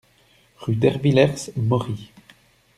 Rue d'Ervillers, Mory